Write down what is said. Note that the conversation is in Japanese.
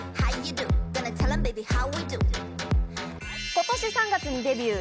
今年３月にデビュー。